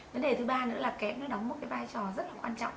vấn đề thứ ba nữa là kém nó đóng một cái vai trò rất là quan trọng